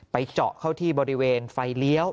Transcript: เจาะเข้าที่บริเวณไฟเลี้ยว